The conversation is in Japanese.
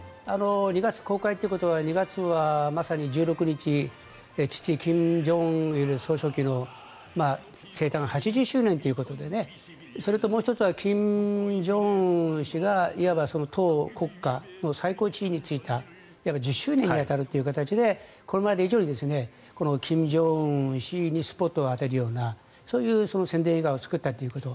２月公開ということは２月はまさに１６日父・金正日総書記の生誕８０周年ということでそれともう１つは金正恩氏がいわば党、国家の最高地位に就いた１０周年に当たるという形でこれまで以上に金正恩氏にスポットを当てるようなそういう宣伝映画を作ったということ。